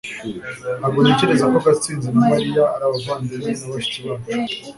Ntabwo ntekereza ko Gatsinzi na Mariya ari abavandimwe na bashiki bacu